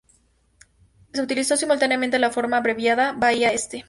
Se utilizó simultáneamente la forma abreviada Bahía Este.